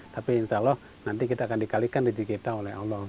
tapi insya allah nanti kita akan dikalikan rizik kita oleh allah